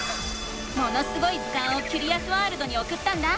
「ものすごい図鑑」をキュリアスワールドにおくったんだ。